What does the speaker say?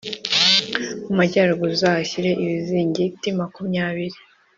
mu majyaruguru uzahashyire ibizingiti makumyabiri .